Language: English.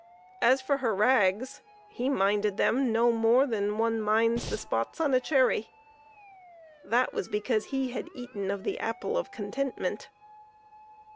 As for her rags, he minded them no more than one minds the spots on a cherry; that was because he had eaten of the apple of contentment.